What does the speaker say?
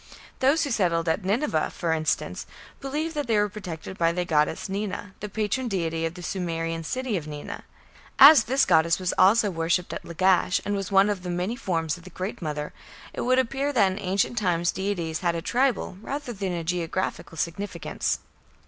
Those who settled at Nineveh, for instance, believed that they were protected by the goddess Nina, the patron deity of the Sumerian city of Nina. As this goddess was also worshipped at Lagash, and was one of the many forms of the Great Mother, it would appear that in ancient times deities had a tribal rather than a geographical significance.